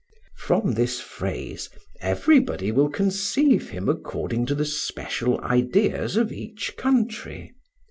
From this phrase, everybody will conceive him according to the special ideas of each country.